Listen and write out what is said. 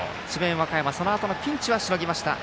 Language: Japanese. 和歌山、そのあとのピンチはしのぎました。